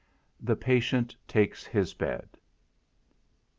_The patient takes his bed.